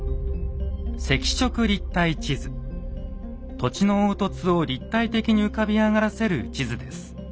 土地の凹凸を立体的に浮かび上がらせる地図です。